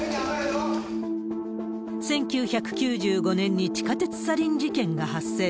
１９９５年に地下鉄サリン事件が発生。